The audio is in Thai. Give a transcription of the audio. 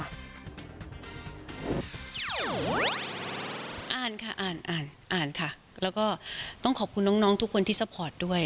อ่านค่ะอ่านอ่านอ่านค่ะแล้วก็ต้องขอบคุณน้องทุกคนที่ซัพพอร์ตด้วย